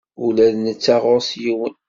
Ula d netta ɣur-s yiwen.